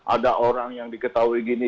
ada orang yang diketahui gini